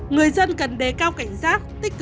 người dân cần đề cao cảnh giác